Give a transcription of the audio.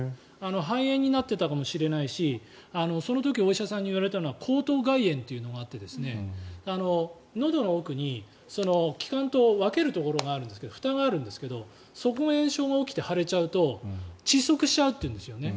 肺炎になっていたかもしれないしその時お医者さんに言われたのが喉頭蓋炎というのがあってのどの奥に気管と分けるところがあるんですがふたがあるんですけどそこに炎症が起きて腫れちゃうと窒息しちゃうっていうんですよね。